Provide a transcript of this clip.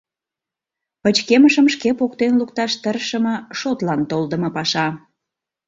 Пычкемышым шке поктен лукташ тыршыме — шотлан толдымо паша.